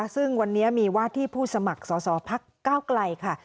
ซึ่งวันนี้มีวาดที่ผู้สมัครสอสอพักก้าวไกลค่ะ